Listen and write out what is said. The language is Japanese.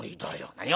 「何を？」。